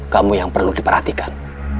kamu yang perlu diperhatikan